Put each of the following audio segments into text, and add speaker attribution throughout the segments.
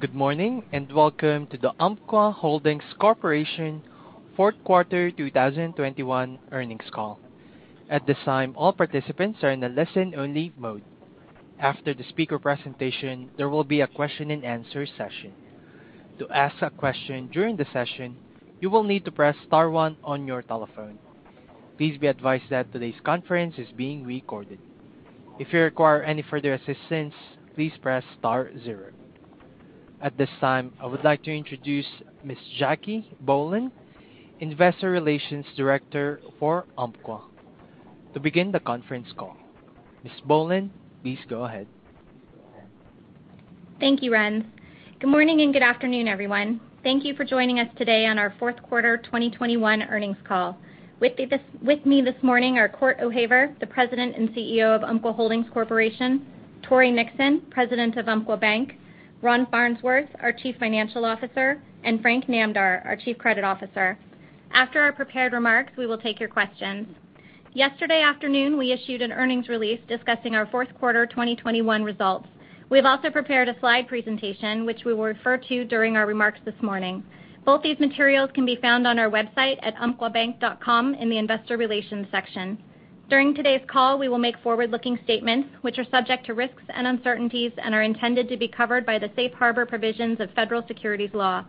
Speaker 1: Good morning, and welcome to the Umpqua Holdings Corporation fourth quarter 2021 earnings call. At this time, all participants are in a listen-only mode. After the speaker presentation, there will be a question and answer session. To ask a question during the session, you will need to press star one on your telephone. Please be advised that today's conference is being recorded. If you require any further assistance, please press star zero. At this time, I would like to introduce Ms. Jackie Bohlen, Investor Relations Director for Umpqua, to begin the conference call. Ms. Bohlen, please go ahead.
Speaker 2: Thank you, Ren. Good morning, and good afternoon, everyone. Thank you for joining us today on our fourth quarter 2021 earnings call. With me this morning are Cort O'Haver, the President and CEO of Umpqua Holdings Corporation, Tory Nixon, President of Umpqua Bank, Ron Farnsworth, our Chief Financial Officer, and Frank Namdar, our Chief Credit Officer. After our prepared remarks, we will take your questions. Yesterday afternoon, we issued an earnings release discussing our fourth quarter 2021 results. We've also prepared a slide presentation which we will refer to during our remarks this morning. Both these materials can be found on our website at umpquabank.com in the investor relations section. During today's call, we will make forward-looking statements which are subject to risks and uncertainties and are intended to be covered by the safe harbor provisions of federal securities law.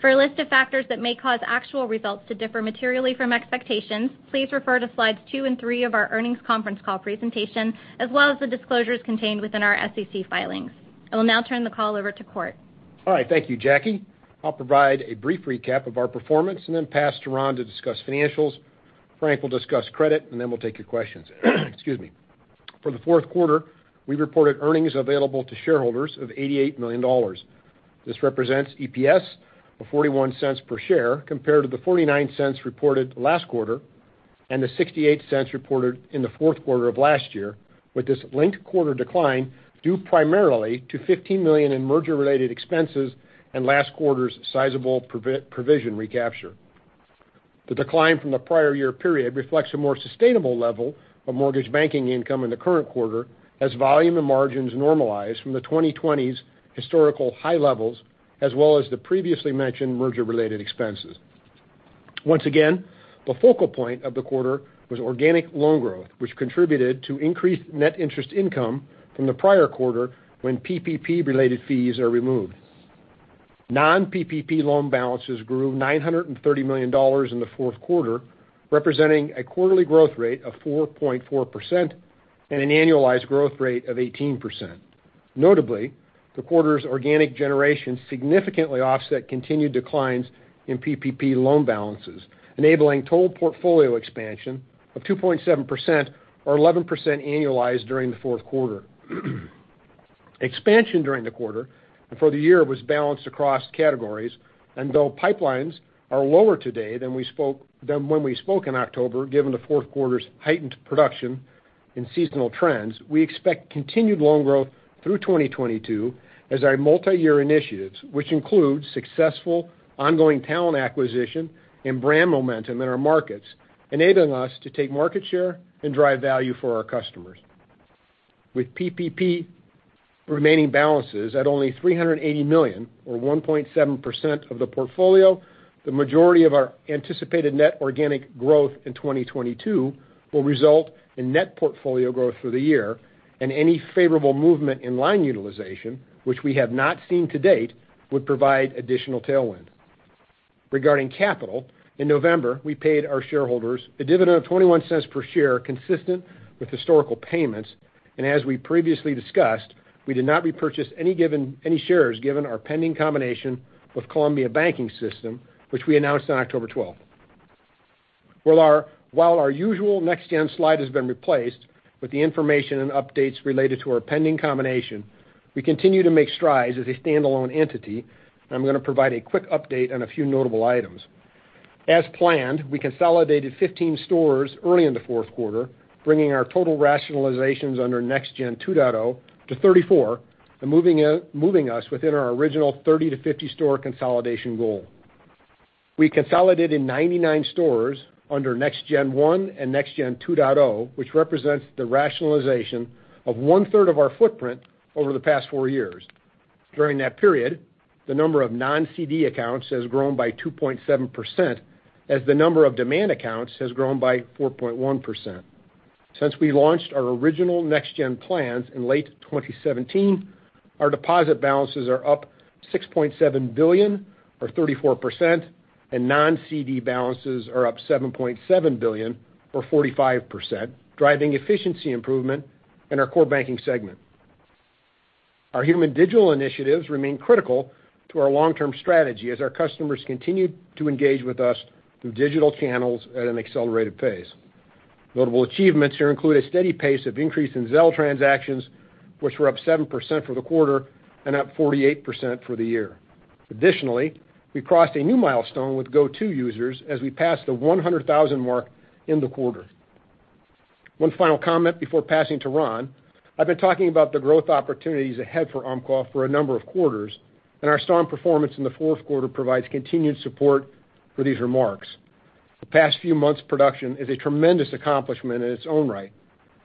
Speaker 2: For a list of factors that may cause actual results to differ materially from expectations, please refer to slides two and three of our earnings conference call presentation, as well as the disclosures contained within our SEC filings. I will now turn the call over to Cort.
Speaker 3: All right. Thank you, Jackie. I'll provide a brief recap of our performance and then pass to Ron to discuss financials. Frank will discuss credit, and then we'll take your questions. Excuse me. For the fourth quarter, we reported earnings available to shareholders of $88 million. This represents EPS of $0.41 per share compared to the $0.49 reported last quarter and the $0.68 reported in the fourth quarter of last year, with this linked quarter decline due primarily to $15 million in merger-related expenses and last quarter's sizable provision recapture. The decline from the prior year period reflects a more sustainable level of mortgage banking income in the current quarter as volume and margins normalize from the 2020's historical high levels as well as the previously mentioned merger-related expenses. Once again, the focal point of the quarter was organic loan growth, which contributed to increased net interest income from the prior quarter when PPP related fees are removed. Non-PPP loan balances grew $930 million in the fourth quarter, representing a quarterly growth rate of 4.4% and an annualized growth rate of 18%. Notably, the quarter's organic generation significantly offset continued declines in PPP loan balances, enabling total portfolio expansion of 2.7% or 11% annualized during the fourth quarter. Expansion during the quarter and for the year was balanced across categories. Though pipelines are lower today than when we spoke in October, given the fourth quarter's heightened production and seasonal trends, we expect continued loan growth through 2022 as our multi-year initiatives, which include successful ongoing talent acquisition and brand momentum in our markets, enabling us to take market share and drive value for our customers. With PPP remaining balances at only $380 million or 1.7% of the portfolio, the majority of our anticipated net organic growth in 2022 will result in net portfolio growth for the year and any favorable movement in line utilization, which we have not seen to date, would provide additional tailwind. Regarding capital, in November, we paid our shareholders a dividend of $0.21 per share, consistent with historical payments. As we previously discussed, we did not repurchase any shares given our pending combination with Columbia Banking System, which we announced on October 12th. Well, while our usual Next Gen slide has been replaced with the information and updates related to our pending combination, we continue to make strides as a standalone entity. I'm going to provide a quick update on a few notable items. As planned, we consolidated 15 stores early in the fourth quarter, bringing our total rationalizations under Next Gen 2.0 to 34 and moving us within our original 30-50 store consolidation goal. We consolidated 99 stores under Next Gen 1 and Next Gen 2.0, which represents the rationalization of one-third of our footprint over the past four years. During that period, the number of non-CD accounts has grown by 2.7% as the number of demand accounts has grown by 4.1%. Since we launched our original Next Gen plans in late 2017, our deposit balances are up $6.7 billion or 34%, and non-CD balances are up $7.7 billion or 45%, driving efficiency improvement in our core banking segment. Our human digital initiatives remain critical to our long-term strategy as our customers continue to engage with us through digital channels at an accelerated pace. Notable achievements here include a steady pace of increase in Zelle transactions, which were up 7% for the quarter and up 48% for the year. Additionally, we crossed a new milestone with Go-To users as we passed the 100,000 mark in the quarter. One final comment before passing to Ron. I've been talking about the growth opportunities ahead for Umpqua for a number of quarters, and our strong performance in the fourth quarter provides continued support for these remarks. The past few months' production is a tremendous accomplishment in its own right,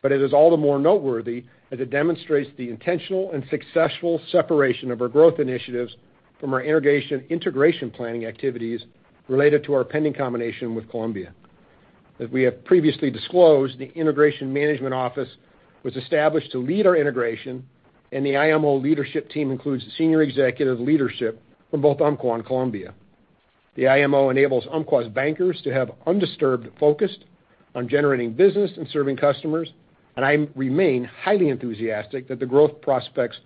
Speaker 3: but it is all the more noteworthy as it demonstrates the intentional and successful separation of our growth initiatives from our integration planning activities related to our pending combination with Columbia. As we have previously disclosed, the Integration Management Office was established to lead our integration, and the IMO leadership team includes senior executive leadership from both Umpqua and Columbia. The IMO enables Umpqua's bankers to have undisturbed focus on generating business and serving customers, and I remain highly enthusiastic that the growth prospects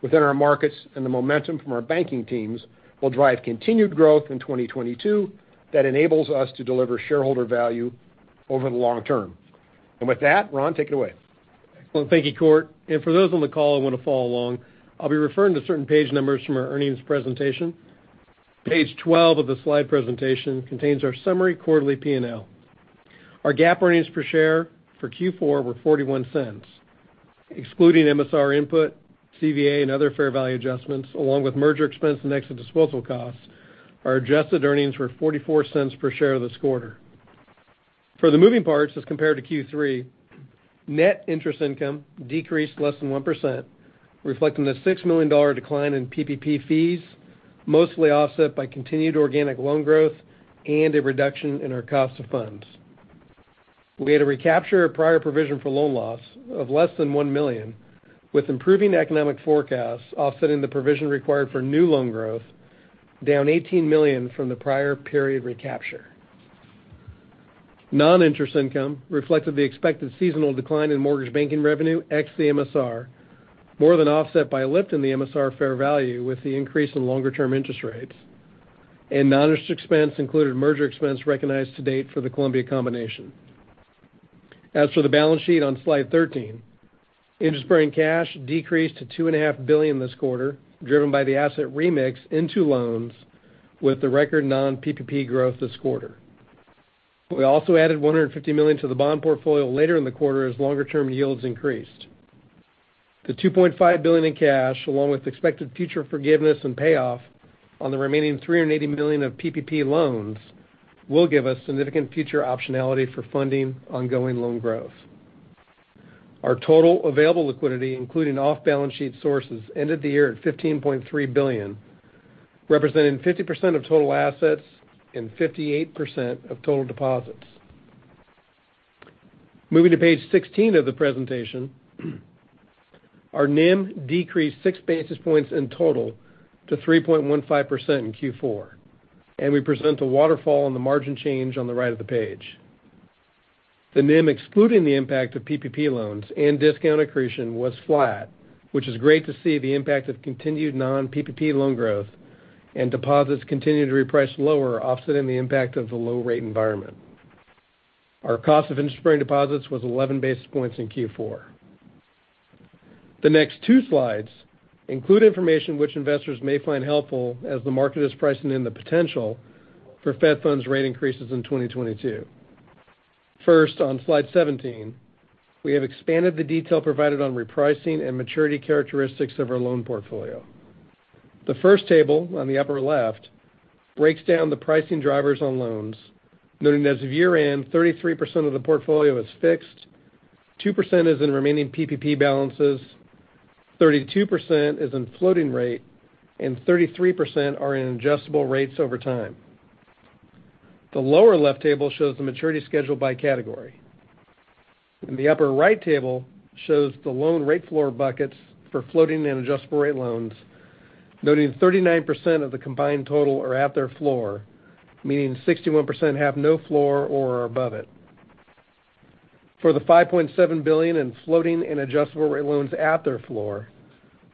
Speaker 3: within our markets and the momentum from our banking teams will drive continued growth in 2022 that enables us to deliver shareholder value over the long term. With that, Ron, take it away.
Speaker 4: Well, thank you, Cort. For those on the call who want to follow along, I'll be referring to certain page numbers from our earnings presentation. Page 12 of the slide presentation contains our summary quarterly P&L. Our GAAP earnings per share for Q4 were 41 cents. Excluding MSR input, CVA, and other fair value adjustments, along with merger expense and exit disposal costs, our adjusted earnings were $0.04 per share this quarter. For the moving parts, as compared to Q3, net interest income decreased less than 1%, reflecting the $6 million decline in PPP fees, mostly offset by continued organic loan growth and a reduction in our cost of funds. We had to recapture a prior provision for loan loss of less than $1 million, with improving economic forecasts offsetting the provision required for new loan growth, down $18 million from the prior period recapture. Non-interest income reflected the expected seasonal decline in mortgage banking revenue ex the MSR, more than offset by a lift in the MSR fair value with the increase in longer-term interest rates. Non-interest expense included merger expense recognized to date for the Columbia combination. As for the balance sheet on slide 13, interest-bearing cash decreased to $2.5 billion this quarter, driven by the asset remix into loans with the record non-PPP growth this quarter. We also added $150 million to the bond portfolio later in the quarter as longer-term yields increased. The $2.5 billion in cash, along with expected future forgiveness and payoff on the remaining $380 million of PPP loans, will give us significant future optionality for funding ongoing loan growth. Our total available liquidity, including off-balance sheet sources, ended the year at $15.3 billion, representing 50% of total assets and 58% of total deposits. Moving to page 16 of the presentation, our NIM decreased six basis points in total to 3.15% in Q4, and we present the waterfall on the margin change on the right of the page. The NIM excluding the impact of PPP loans and discount accretion was flat, which is great to see the impact of continued non-PPP loan growth and deposits continue to reprice lower, offsetting the impact of the low rate environment. Our cost of interest-bearing deposits was 11 basis points in Q4. The next two slides include information which investors may find helpful as the market is pricing in the potential for Fed funds rate increases in 2022. First, on slide 17, we have expanded the detail provided on repricing and maturity characteristics of our loan portfolio. The first table on the upper left breaks down the pricing drivers on loans, noting that as of year-end, 33% of the portfolio is fixed, 2% is in remaining PPP balances, 32% is in floating rate, and 33% are in adjustable rates over time. The lower left table shows the maturity schedule by category. In the upper right table shows the loan rate floor buckets for floating and adjustable rate loans, noting 39% of the combined total are at their floor, meaning 61% have no floor or are above it. For the $5.7 billion in floating and adjustable rate loans at their floor,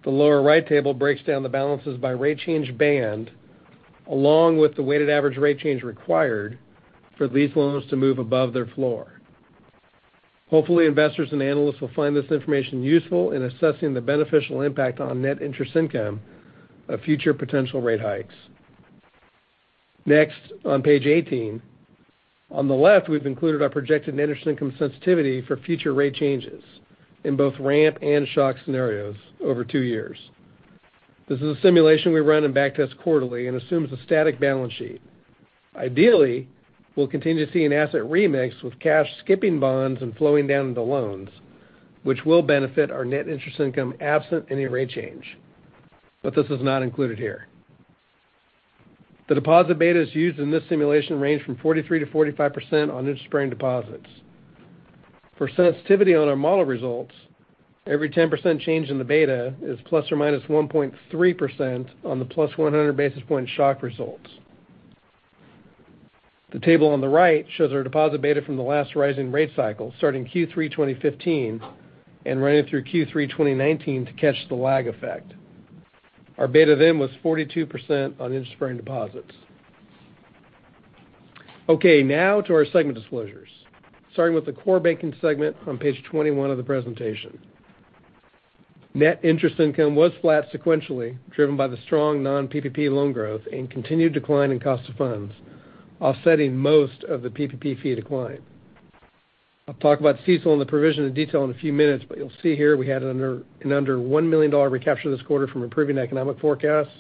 Speaker 4: the lower right table breaks down the balances by rate change band, along with the weighted average rate change required for these loans to move above their floor. Hopefully, investors and analysts will find this information useful in assessing the beneficial impact on net interest income of future potential rate hikes. Next, on page 18. On the left, we've included our projected net interest income sensitivity for future rate changes in both ramp and shock scenarios over two years. This is a simulation we run and backtest quarterly and assumes a static balance sheet. Ideally, we'll continue to see an asset remix with cash skipping bonds and flowing down into loans, which will benefit our net interest income absent any rate change. This is not included here. The deposit betas used in this simulation range from 43%-45% on interest-bearing deposits. For sensitivity on our model results, every 10% change in the beta is ±1.3% on the +100 basis point shock results. The table on the right shows our deposit beta from the last rising rate cycle, starting Q3 2015 and running through Q3 2019 to catch the lag effect. Our beta then was 42% on interest-bearing deposits. Okay, now to our segment disclosures, starting with the core banking segment on page 21 of the presentation. Net interest income was flat sequentially, driven by the strong non-PPP loan growth and continued decline in cost of funds, offsetting most of the PPP fee decline. I'll talk about CECL and the provision in detail in a few minutes, but you'll see here we had an under $1 million recapture this quarter from improving economic forecasts.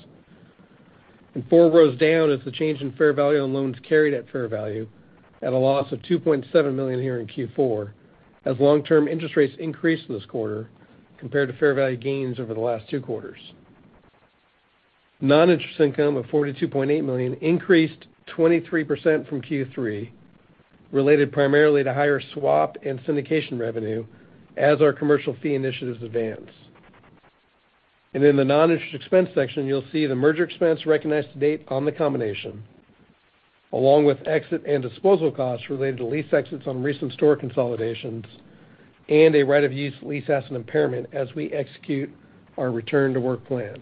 Speaker 4: Four rows down is the change in fair value on loans carried at fair value at a loss of $2.7 million here in Q4, as long-term interest rates increased this quarter compared to fair value gains over the last two quarters. Non-interest income of $42.8 million increased 23% from Q3, related primarily to higher swap and syndication revenue as our commercial fee initiatives advance. In the non-interest expense section, you'll see the merger expense recognized to date on the combination, along with exit and disposal costs related to lease exits on recent store consolidations and a right-of-use lease asset impairment as we execute our return-to-work plan.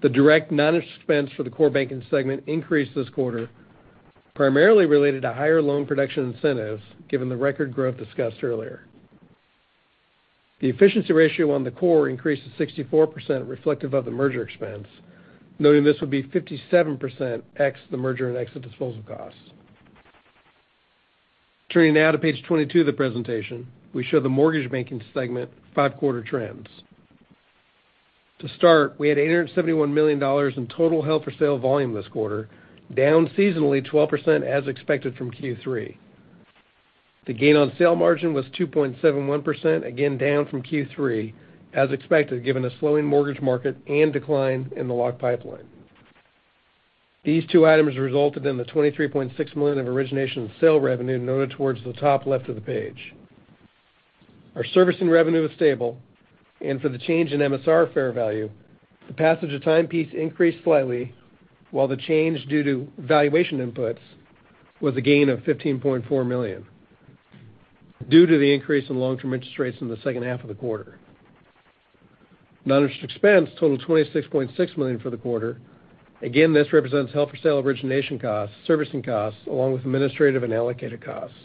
Speaker 4: The direct non-interest expense for the core banking segment increased this quarter, primarily related to higher loan production incentives, given the record growth discussed earlier. The efficiency ratio on the core increased to 64% reflective of the merger expense, noting this would be 57% ex the merger and exit disposal costs. Turning now to page 22 of the presentation, we show the mortgage banking segment five-quarter trends. To start, we had $871 million in total held-for-sale volume this quarter, down seasonally 12% as expected from Q3. The gain on sale margin was 2.71%, again down from Q3, as expected, given the slowing mortgage market and decline in the locked pipeline. These two items resulted in the $23.6 million of origination and sale revenue noted towards the top left of the page. Our servicing revenue was stable, and for the change in MSR fair value, the passage of time piece increased slightly, while the change due to valuation inputs was a gain of $15.4 million due to the increase in long-term interest rates in the second half of the quarter. Non-interest expense totaled $26.6 million for the quarter. Again, this represents held-for-sale origination costs, servicing costs, along with administrative and allocated costs.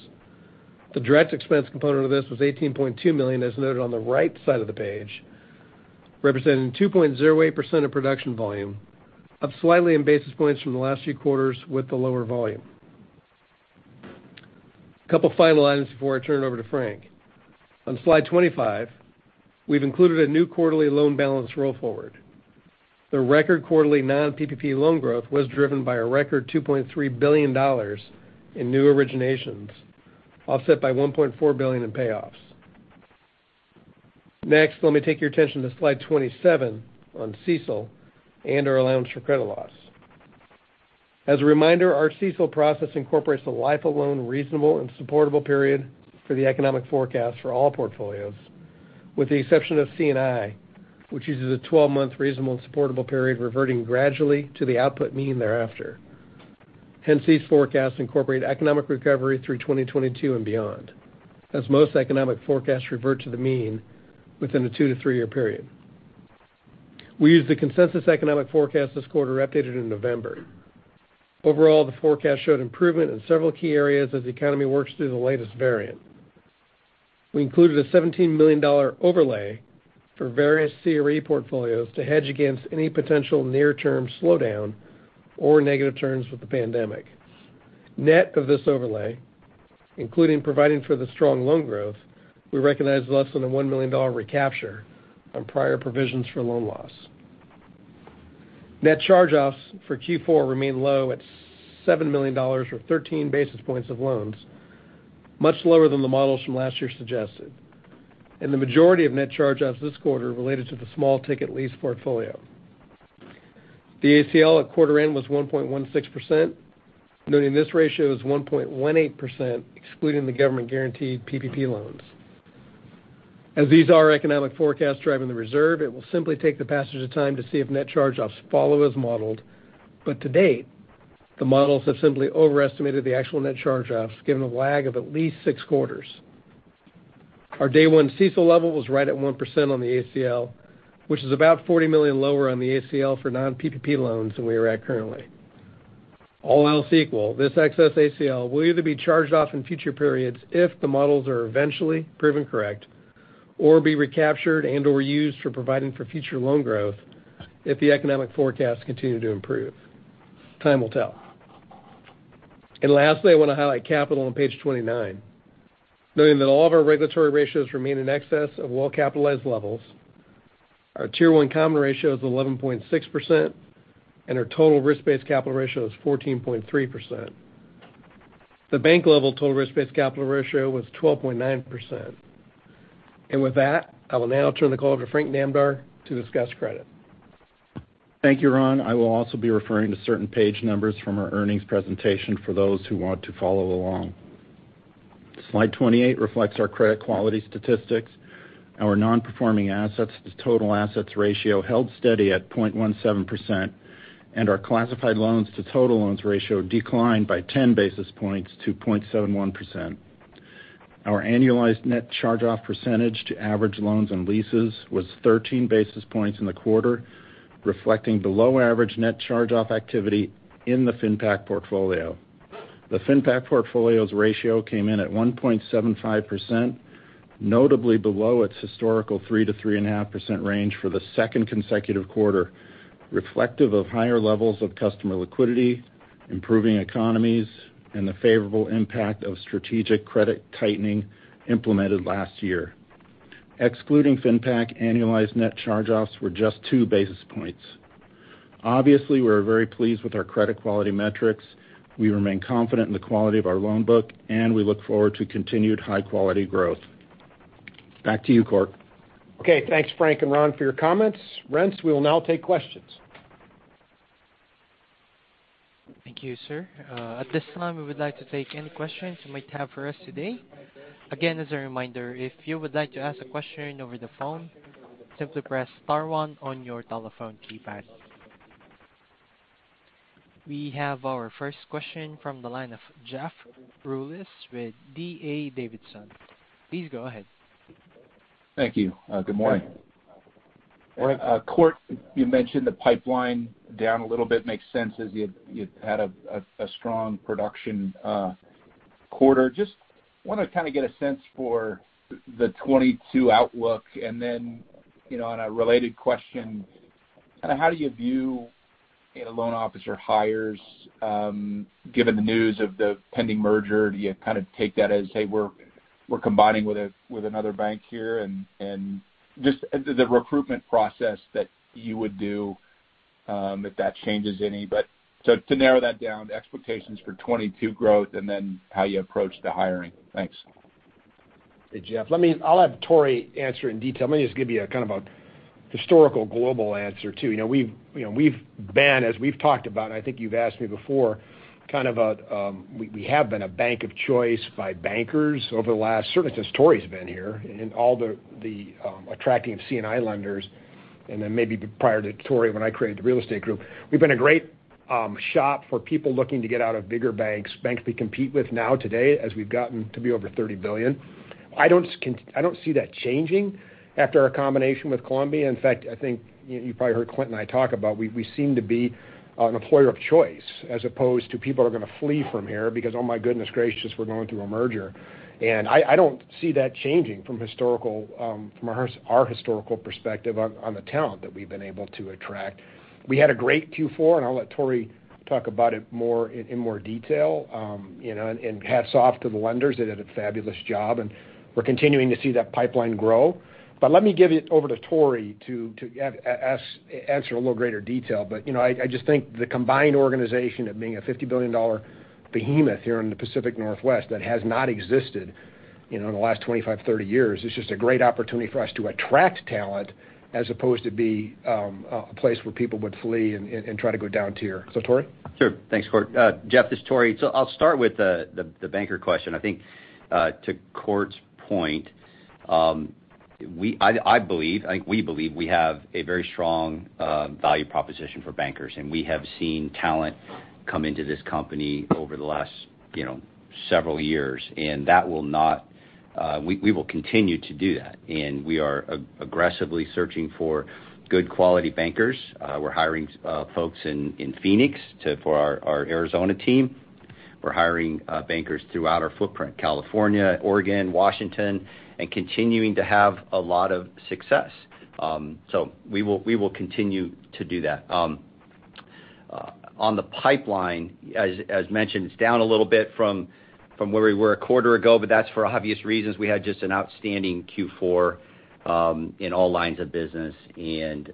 Speaker 4: The direct expense component of this was $18.2 million, as noted on the right side of the page, representing 2.08% of production volume, up slightly in basis points from the last few quarters with the lower volume. A couple final items before I turn it over to Frank. On slide 25, we've included a new quarterly loan balance roll forward. The record quarterly non-PPP loan growth was driven by a record $2.3 billion in new originations, offset by $1.4 billion in payoffs. Next, let me take your attention to slide 27 on CECL and our allowance for credit loss. As a reminder, our CECL process incorporates the life of loan reasonable and supportable period for the economic forecast for all portfolios, with the exception of C&I, which uses a 12-month reasonable and supportable period reverting gradually to the output mean thereafter. Hence, these forecasts incorporate economic recovery through 2022 and beyond, as most economic forecasts revert to the mean within a two or three-year period. We used the consensus economic forecast this quarter updated in November. Overall, the forecast showed improvement in several key areas as the economy works through the latest variant. We included a $17 million overlay for various CRE portfolios to hedge against any potential near-term slowdown or negative turns with the pandemic. Net of this overlay, including providing for the strong loan growth, we recognized less than a $1 million recapture on prior provisions for loan loss. Net charge-offs for Q4 remain low at $7 million or 13 basis points of loans, much lower than the models from last year suggested, and the majority of net charge-offs this quarter related to the small-ticket lease portfolio. The ACL at quarter end was 1.16%, noting this ratio is 1.18% excluding the government-guaranteed PPP loans. As these are economic forecasts driving the reserve, it will simply take the passage of time to see if net charge-offs follow as modeled. To date, the models have simply overestimated the actual net charge-offs, given a lag of at least six quarters. Our day one CECL level was right at 1% on the ACL, which is about $40 million lower on the ACL for non-PPP loans than we are at currently. All else equal, this excess ACL will either be charged off in future periods if the models are eventually proven correct, or be recaptured and/or used for providing for future loan growth if the economic forecasts continue to improve. Time will tell. Lastly, I want to highlight capital on page 29, noting that all of our regulatory ratios remain in excess of well-capitalized levels. Our Tier 1 common ratio is 11.6%, and our total risk-based capital ratio is 14.3%. The bank-level total risk-based capital ratio was 12.9%. With that, I will now turn the call over to Frank Namdar to discuss credit.
Speaker 5: Thank you, Ron. I will also be referring to certain page numbers from our earnings presentation for those who want to follow along. Slide 28 reflects our credit quality statistics. Our non-performing assets-to-total assets ratio held steady at 0.17%, and our classified loans to total loans ratio declined by 10 basis points to 0.71%. Our annualized net charge-off percentage to average loans and leases was 13 basis points in the quarter, reflecting below average net charge-off activity in the FinPac portfolio. The FinPac portfolio's ratio came in at 1.75%. Notably below its historical 3%-3.5% range for the second consecutive quarter, reflective of higher levels of customer liquidity, improving economies, and the favorable impact of strategic credit tightening implemented last year. Excluding FinPac, annualized net charge-offs were just two basis points. Obviously, we're very pleased with our credit quality metrics. We remain confident in the quality of our loan book, and we look forward to continued high-quality growth. Back to you, Cort.
Speaker 3: Okay, thanks, Frank and Ron, for your comments. Ren, we will now take questions.
Speaker 1: Thank you, sir. At this time, we would like to take any questions you might have for us today. Again, as a reminder, if you would like to ask a question over the phone, simply press star one on your telephone keypad. We have our first question from the line of Jeff Rulis with D.A. Davidson. Please go ahead.
Speaker 6: Thank you. Good morning.
Speaker 3: Morning.
Speaker 6: Cort, you mentioned the pipeline down a little bit. Makes sense as you've had a strong production quarter. Just wanna kind of get a sense for the 2022 outlook. Then, you know, on a related question, kinda how do you view loan officer hires, given the news of the pending merger? Do you kind of take that as, hey, we're combining with another bank here and just the recruitment process that you would do, if that changes any. To narrow that down, the expectations for 2022 growth and then how you approach the hiring. Thanks.
Speaker 3: Hey, Jeff. I'll have Tory answer in detail. Let me just give you a kind of a historical global answer, too. You know, we've, you know, we've been, as we've talked about, I think you've asked me before, kind of a we have been a bank of choice by bankers over the last, certainly since Tory's been here in all the attracting of C&I lenders, and then maybe prior to Tory when I created the real estate group. We've been a great shop for people looking to get out of bigger banks we compete with now today as we've gotten to be over $30 billion. I don't see that changing after our combination with Columbia. In fact, I think you probably heard Clint and I talk about we seem to be an employer of choice as opposed to people are gonna flee from here because, oh my goodness gracious, we're going through a merger. I don't see that changing from our historical perspective on the talent that we've been able to attract. We had a great Q4, and I'll let Tory talk about it more, in more detail, and hats off to the lenders. They did a fabulous job, and we're continuing to see that pipeline grow. Let me give it over to Tory to answer in a little greater detail. You know, I just think the combined organization of being a $50 billion behemoth here in the Pacific Northwest that has not existed, you know, in the last 25, 30 years is just a great opportunity for us to attract talent as opposed to be a place where people would flee and try to go down tier. Tory?
Speaker 7: Sure. Thanks, Cort. Jeff, this is Tory. I'll start with the banker question. I think to Cort's point, we believe we have a very strong value proposition for bankers, and we have seen talent come into this company over the last, you know, several years. We will continue to do that, and we are aggressively searching for good quality bankers. We're hiring folks in Phoenix for our Arizona team. We're hiring bankers throughout our footprint, California, Oregon, Washington, and continuing to have a lot of success. We will continue to do that. On the pipeline, as mentioned, it's down a little bit from where we were a quarter ago, but that's for obvious reasons. We had just an outstanding Q4 in all lines of business. You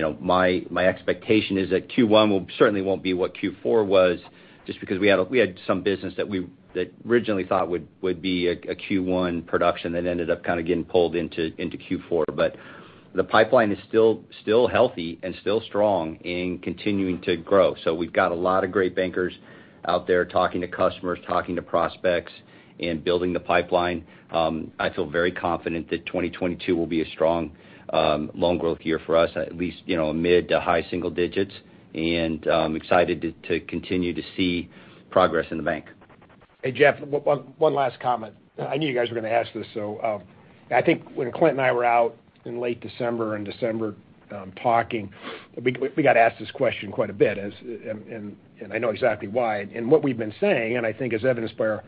Speaker 7: know, my expectation is that Q1 will certainly won't be what Q4 was just because we had some business that we originally thought would be a Q1 production that ended up kind of getting pulled into Q4. The pipeline is still healthy and still strong and continuing to grow. We've got a lot of great bankers out there talking to customers, talking to prospects and building the pipeline. I feel very confident that 2022 will be a strong loan growth year for us, at least, you know, mid- to high single digits. I'm excited to continue to see progress in the bank.
Speaker 3: Hey, Jeff, one last comment. I knew you guys were gonna ask this, so, I think when Clint and I were out in late December, talking, we got asked this question quite a bit, and I know exactly why. What we've been saying, and I think as evidenced by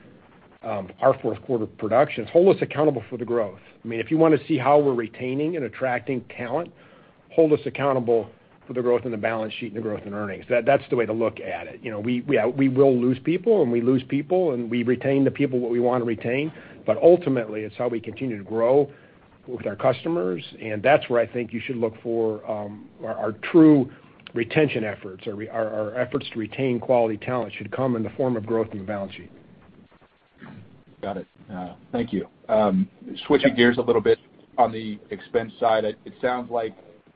Speaker 3: our fourth quarter production, hold us accountable for the growth. I mean, if you wanna see how we're retaining and attracting talent, hold us accountable for the growth in the balance sheet and the growth in earnings. That's the way to look at it. You know, we will lose people, and we lose people, and we retain the people what we wanna retain. But ultimately, it's how we continue to grow with our customers. That's where I think you should look for our true retention efforts, our efforts to retain quality talent should come in the form of growth in the balance sheet.
Speaker 6: Got it. Thank you. Switching gears a little bit on the expense side. It sounds like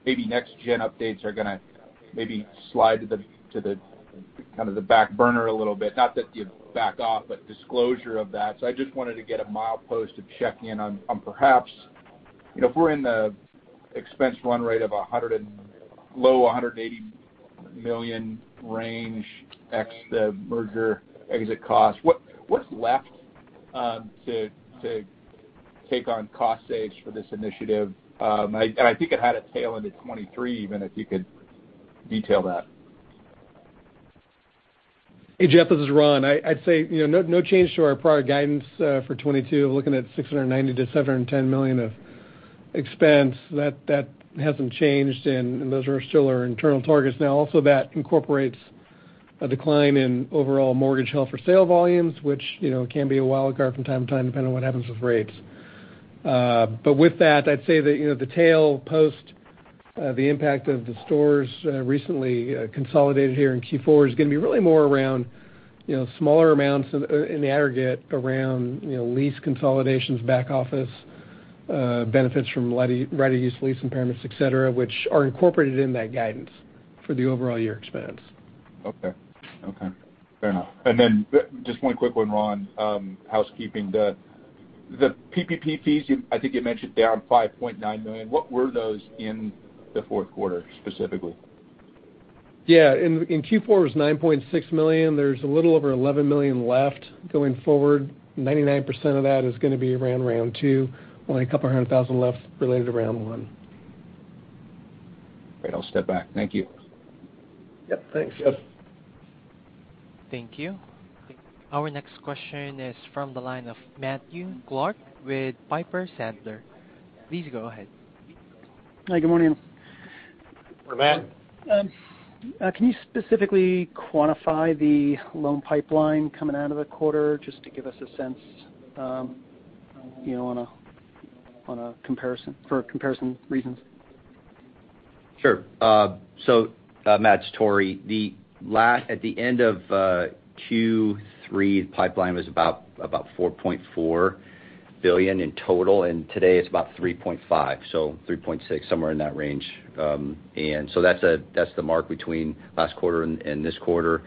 Speaker 6: maybe Next Gen updates are gonna maybe slide to the kind of the back burner a little bit. Not that you back off, but disclosure of that. I just wanted to get a milestone to check in on, perhaps, you know, if we're in the expense run rate of $100 million to low $180 million range ex the merger exit cost, what's left to take on cost savings for this initiative? I think it had a tail into 2023, even if you could detail that.
Speaker 4: Hey, Jeff, this is Ron. I'd say, you know, no change to our prior guidance for 2022. We're looking at $690 million-$710 million of expense. That hasn't changed, and those are still our internal targets. Now, also that incorporates a decline in overall mortgage held for sale volumes, which, you know, can be a wild card from time to time, depending on what happens with rates. With that, I'd say that, you know, the tail post the impact of the stores recently consolidated here in Q4 is gonna be really more around, you know, smaller amounts in the aggregate around, you know, lease consolidations, back office benefits from right-of-use lease impairments, et cetera, which are incorporated in that guidance for the overall year expense.
Speaker 6: Okay. Fair enough. Just one quick one, Ron, housekeeping. The PPP fees, I think you mentioned down $5.9 million. What were those in the fourth quarter specifically?
Speaker 4: Yeah. In Q4 it was $9.6 million. There's a little over $11 million left going forward. 99% of that is gonna be around round two, only a couple hundred thousand left related to round one.
Speaker 6: Great. I'll step back. Thank you.
Speaker 4: Yep. Thanks Jeff.
Speaker 3: Yep.
Speaker 1: Thank you. Our next question is from the line of Matthew Clark with Piper Sandler. Please go ahead.
Speaker 8: Hi, good morning.
Speaker 7: Matt.
Speaker 8: Can you specifically quantify the loan pipeline coming out of the quarter just to give us a sense, you know, on a comparison for comparison reasons?
Speaker 7: Sure. Matt, it's Tory. At the end of Q3, the pipeline was about $4.4 billion in total, and today it's about $3.5, so $3.6, somewhere in that range. That's the mark between last quarter and this quarter.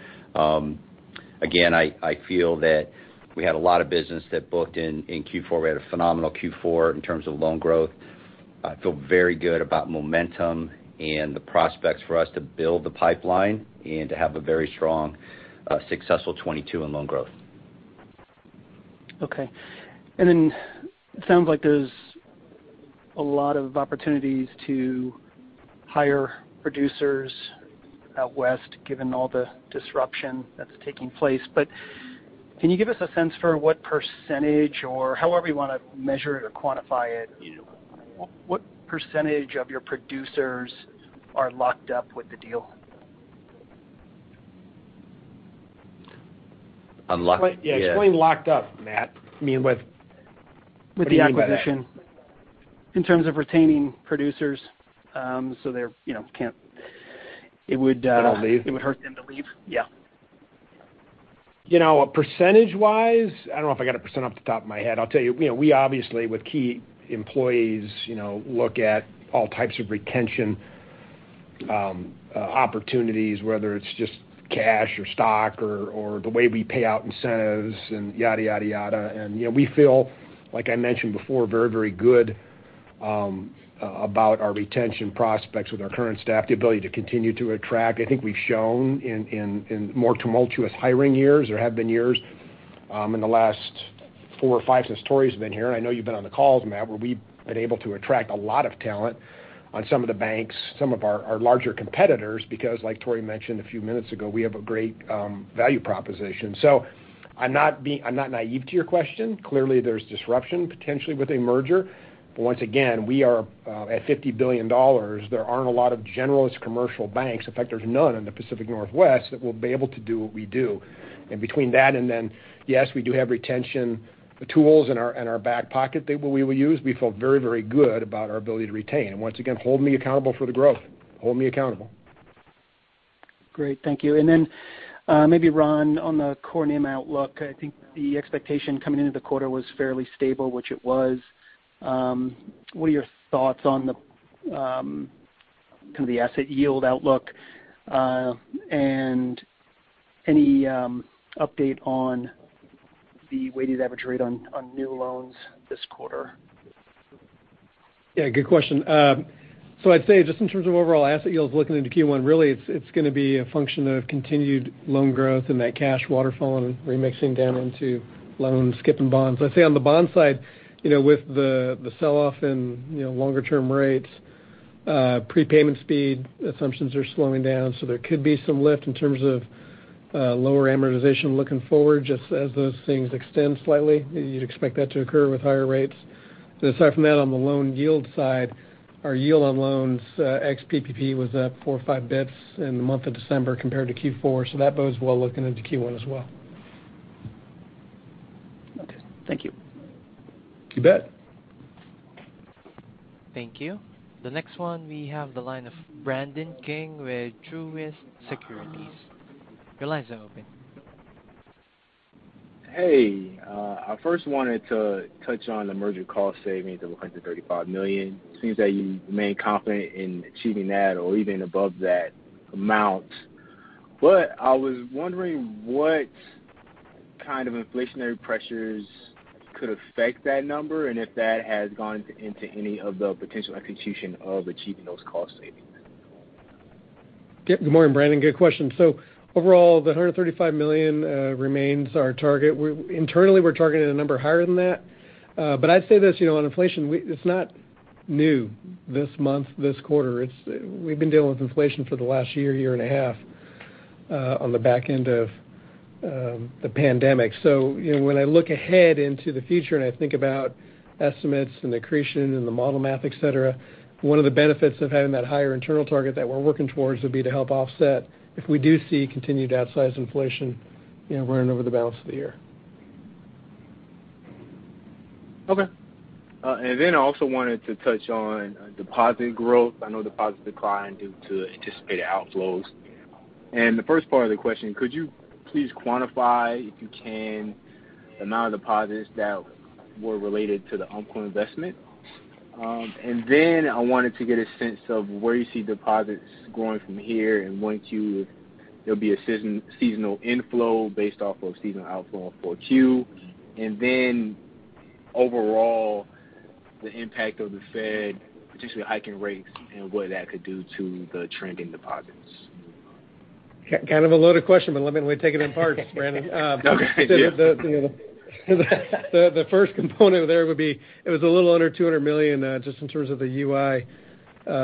Speaker 7: Again, I feel that we had a lot of business that booked in Q4. We had a phenomenal Q4 in terms of loan growth. I feel very good about momentum and the prospects for us to build the pipeline and to have a very strong, successful 2022 in loan growth.
Speaker 8: Okay. It sounds like there's a lot of opportunities to hire producers out west given all the disruption that's taking place. Can you give us a sense for what percentage or however you wanna measure it or quantify it, what percentage of your producers are locked up with the deal?
Speaker 7: Unlocked? Yeah.
Speaker 3: Yeah, explain locked up, Matt. I mean, with-
Speaker 8: With the acquisition
Speaker 3: What do you mean by that?
Speaker 8: In terms of retaining producers, so they're, you know, it would
Speaker 3: They'll leave?
Speaker 8: It would hurt them to leave?
Speaker 3: Yeah. You know, percentage-wise, I don't know if I got a percent off the top of my head. I'll tell you know, we obviously with key employees, you know, look at all types of retention opportunities, whether it's just cash or stock or the way we pay out incentives and yada, yada. You know, we feel, like I mentioned before, very, very good about our retention prospects with our current staff, the ability to continue to attract. I think we've shown in more tumultuous hiring years. There have been years in the last four or five since Tory's been here, and I know you've been on the calls, Matt, where we've been able to attract a lot of talent on some of the banks, some of our larger competitors, because like Tory mentioned a few minutes ago, we have a great value proposition. I'm not naive to your question. Clearly, there's disruption potentially with a merger. Once again, we are at $50 billion, there aren't a lot of generalist commercial banks, in fact, there's none in the Pacific Northwest that will be able to do what we do. Between that and then, yes, we do have retention tools in our back pocket that we will use. We feel very, very good about our ability to retain. Once again, hold me accountable for the growth. Hold me accountable.
Speaker 8: Great. Thank you. Maybe Ron, on the core NIM outlook, I think the expectation coming into the quarter was fairly stable, which it was. What are your thoughts on the kind of the asset yield outlook, and any update on the weighted average rate on new loans this quarter?
Speaker 4: Yeah, good question. So I'd say just in terms of overall asset yields looking into Q1, really it's gonna be a function of continued loan growth and that cash waterfall and remixing down into loans, C&I and bonds. I'd say on the bond side, you know, with the sell-off in you know longer term rates, prepayment speed assumptions are slowing down, so there could be some lift in terms of lower amortization looking forward, just as those things extend slightly. You'd expect that to occur with higher rates. Aside from that, on the loan yield side, our yield on loans ex PPP was up four or five basis points in the month of December compared to Q4, so that bodes well looking into Q1 as well.
Speaker 8: Okay. Thank you.
Speaker 4: You bet.
Speaker 1: Thank you. The next one, we have the line of Brandon King with Truist Securities. Your line is now open.
Speaker 9: Hey. I first wanted to touch on the merger cost savings of $135 million. It seems that you remain confident in achieving that or even above that amount. I was wondering what kind of inflationary pressures could affect that number and if that has gone into any of the potential execution of achieving those cost savings?
Speaker 4: Yep. Good morning, Brandon. Good question. Overall, the $135 million remains our target. Internally, we're targeting a number higher than that. I'd say this, you know, on inflation, it's not new. This month, this quarter. We've been dealing with inflation for the last year and a half, on the back end of the pandemic. You know, when I look ahead into the future and I think about estimates and accretion and the model math, etc, one of the benefits of having that higher internal target that we're working towards would be to help offset if we do see continued outsized inflation, you know, running over the balance of the year.
Speaker 9: Okay. I also wanted to touch on deposit growth. I know deposits declined due to anticipated outflows. The first part of the question, could you please quantify, if you can, the amount of deposits that were related to the Umpqua investment? I wanted to get a sense of where you see deposits going from here and when there'll be a seasonal inflow based off of seasonal outflow in Q4. Overall, the impact of the Fed potentially hiking rates and what that could do to the trending deposits.
Speaker 4: Kind of a loaded question, but let me take it in parts, Brandon.
Speaker 9: Okay. Yeah.
Speaker 4: The first component there would be it was a little under $200 million, just in terms of the UI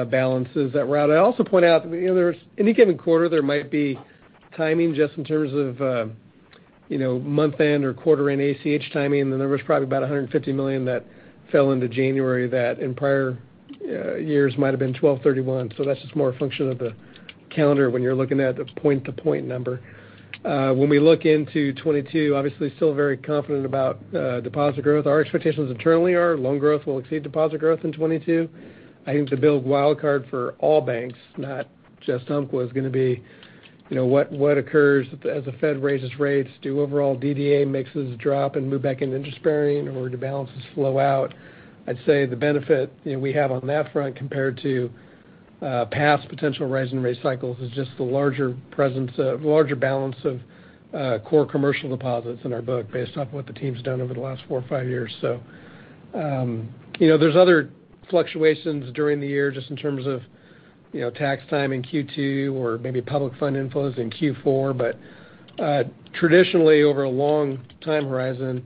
Speaker 4: balances that were out. I also point out, you know, there's any given quarter, there might be timing just in terms of, you know, month-end or quarter-end ACH timing. The number is probably about $150 million that fell into January that in prior years might have been 12/31. So that's just more a function of the calendar when you're looking at the point-to-point number. When we look into 2022, obviously still very confident about deposit growth. Our expectations internally are loan growth will exceed deposit growth in 2022. I think the big wild card for all banks, not just Umpqua, is gonna be, you know, what occurs as the Fed raises rates. Do overall DDA mixes drop and move back into interest-bearing or do balances flow out? I'd say the benefit we have on that front compared to past potential rise in rate cycles is just the larger balance of core commercial deposits in our book based off what the team's done over the last four or five years. There's other fluctuations during the year just in terms of tax timing Q2 or maybe public fund inflows in Q4. Traditionally, over a long time horizon,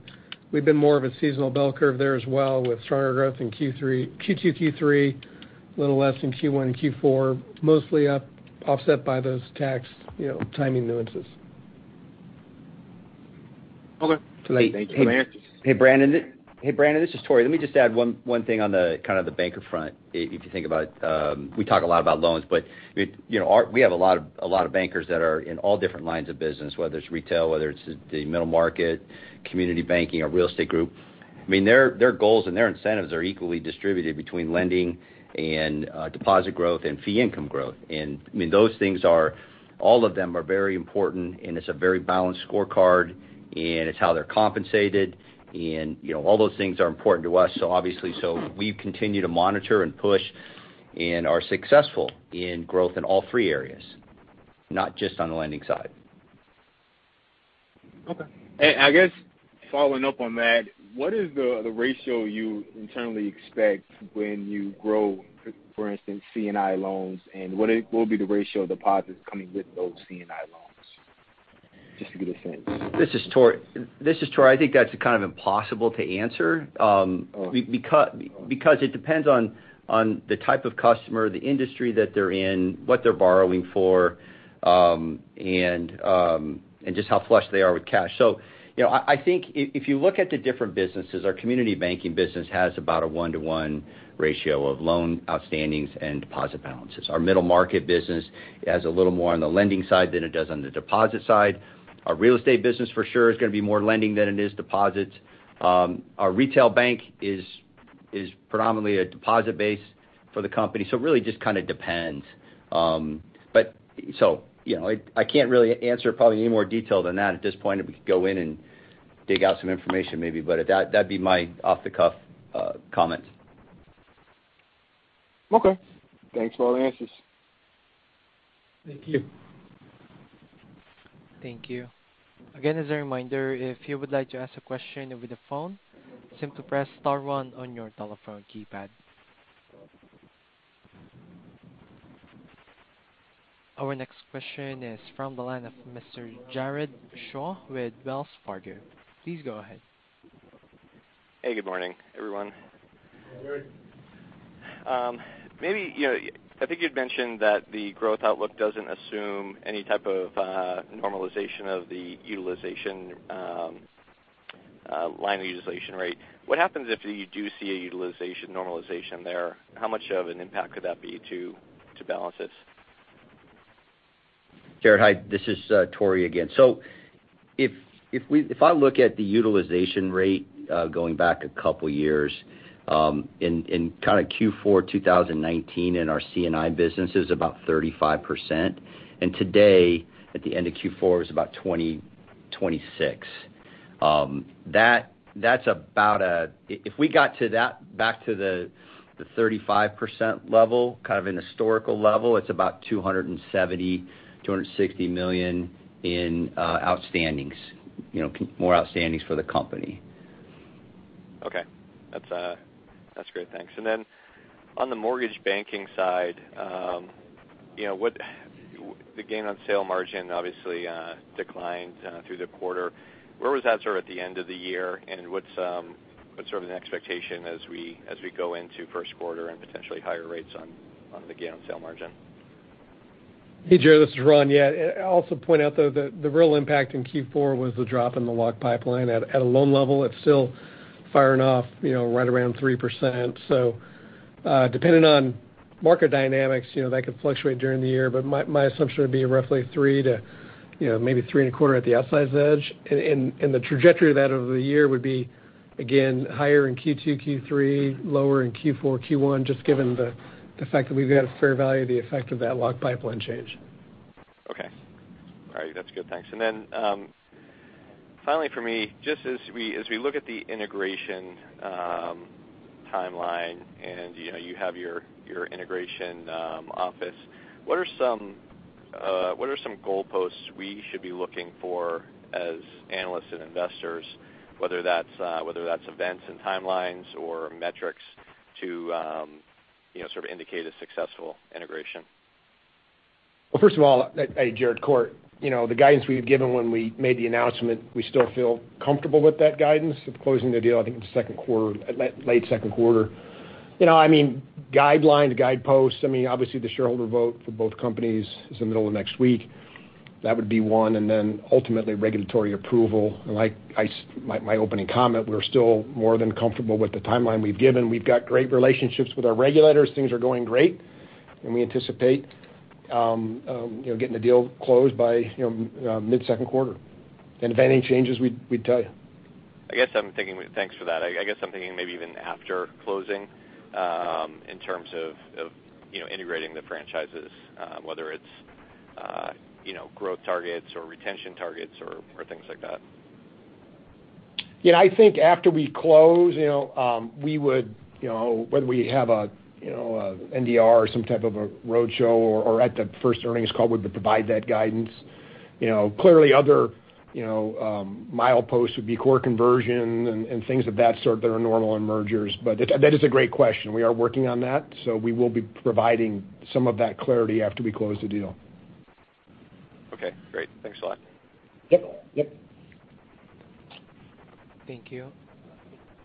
Speaker 4: we've been more of a seasonal bell curve there as well with stronger growth in Q2, Q3, a little less in Q1 and Q4, mostly offset by those tax timing nuances.
Speaker 9: Okay. Thank you for the answers.
Speaker 7: Hey, Brandon, this is Tory. Let me just add one thing on the kind of the banker front. If you think about, we talk a lot about loans, but, you know, we have a lot of bankers that are in all different lines of business, whether it's retail, whether it's the middle market, community banking, our real estate group. I mean, their goals and their incentives are equally distributed between lending and deposit growth and fee income growth. I mean, those things are, all of them are very important, and it's a very balanced scorecard, and it's how they're compensated. You know, all those things are important to us, so we continue to monitor and push and are successful in growth in all three areas, not just on the lending side.
Speaker 9: Okay. I guess following up on that, what is the ratio you internally expect when you grow, for instance, C&I loans, and what will be the ratio of deposits coming with those C&I loans? Just to get a sense.
Speaker 7: This is Tory. I think that's kind of impossible to answer.
Speaker 9: Oh.
Speaker 7: Because it depends on the type of customer, the industry that they're in, what they're borrowing for, and just how flush they are with cash. You know, I think if you look at the different businesses, our community banking business has about a one-to-one ratio of loan outstandings and deposit balances. Our middle market business has a little more on the lending side than it does on the deposit side. Our real estate business for sure is gonna be more lending than it is deposits. Our retail bank is predominantly a deposit base for the company. It really just kind of depends. You know, I can't really answer probably any more detail than that at this point. We could go in and dig out some information maybe, but that'd be my off-the-cuff comment.
Speaker 9: Okay. Thanks for all the answers.
Speaker 4: Thank you.
Speaker 1: Thank you. Again, as a reminder, if you would like to ask a question over the phone, simply press star one on your telephone keypad. Our next question is from the line of Mr. Jared Shaw with Wells Fargo. Please go ahead.
Speaker 10: Hey, good morning, everyone.
Speaker 4: Good morning.
Speaker 10: Maybe, you know, I think you'd mentioned that the growth outlook doesn't assume any type of normalization of the utilization line utilization rate. What happens if you do see a utilization normalization there? How much of an impact could that be to balances?
Speaker 7: Jared, hi. This is Tory again. If I look at the utilization rate going back a couple years in kinda Q4 2019 in our C&I business is about 35%. Today, at the end of Q4, it was about 22.6%. If we got back to the 35% level, kind of an historical level, it's about $270 million, $260 million in outstandings. You know, more outstandings for the company.
Speaker 10: Okay. That's great. Thanks. On the mortgage banking side, you know, the gain on sale margin obviously declined through the quarter. Where was that sort of at the end of the year? What's sort of an expectation as we go into first quarter and potentially higher rates on the gain on sale margin?
Speaker 4: Hey, Jared, this is Ron. I also point out, though, that the real impact in Q4 was the drop in the lock pipeline. At a loan level, it's still firing off, you know, right around 3%. So, depending on market dynamics, you know, that could fluctuate during the year, but my assumption would be roughly 3% to, you know, maybe 3.25% at the outsize edge. The trajectory of that over the year would be, again, higher in Q2, Q3, lower in Q4, Q1, just given the fact that we've had a fair value of the effect of that lock pipeline change.
Speaker 10: Okay. All right. That's good. Thanks. Finally for me, just as we look at the integration timeline and, you know, you have your integration office, what are some goalposts we should be looking for as analysts and investors, whether that's events and timelines or metrics to, you know, sort of indicate a successful integration?
Speaker 3: Well, first of all, Jared, Cort, so you know, the guidance we had given when we made the announcement, we still feel comfortable with that guidance of closing the deal. I think in the second quarter, late second quarter. You know, I mean, guidelines, guideposts, I mean, obviously, the shareholder vote for both companies is in the middle of next week. That would be one. Ultimately regulatory approval. Like I said, my opening comment, we're still more than comfortable with the timeline we've given. We've got great relationships with our regulators. Things are going great. We anticipate you know, getting the deal closed by, you know, mid-second quarter. If any changes, we'd tell you.
Speaker 10: I guess I'm thinking. Thanks for that. I guess I'm thinking maybe even after closing, in terms of, you know, integrating the franchises, whether it's, you know, growth targets or retention targets or things like that.
Speaker 3: Yeah, I think after we close, you know, we would, you know, whether we have a, you know, a NDR or some type of a roadshow or at the first earnings call we could provide that guidance. You know, clearly other, you know, mileposts would be core conversion and things of that sort that are normal in mergers. But that is a great question. We are working on that, so we will be providing some of that clarity after we close the deal.
Speaker 10: Okay, great. Thanks a lot.
Speaker 3: Yep. Yep.
Speaker 1: Thank you.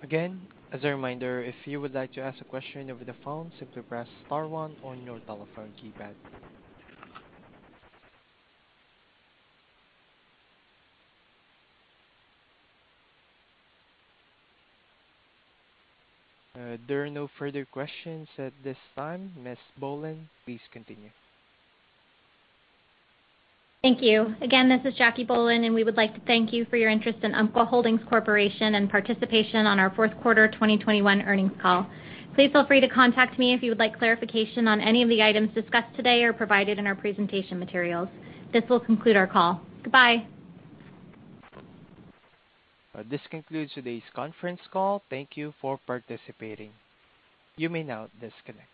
Speaker 1: Again, as a reminder, if you would like to ask a question over the phone, simply press star one on your telephone keypad. There are no further questions at this time. Ms. Bohlen, please continue.
Speaker 2: Thank you. Again, this is Jackie Bohlen, and we would like to thank you for your interest in Umpqua Holdings Corporation and participation on our fourth quarter 2021 earnings call. Please feel free to contact me if you would like clarification on any of the items discussed today or provided in our presentation materials. This will conclude our call. Goodbye.
Speaker 1: This concludes today's conference call. Thank you for participating. You may now disconnect.